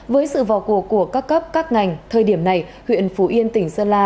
với sự vào cuộc của các cấp các ngành thời điểm này huyện phú yên tỉnh sơn la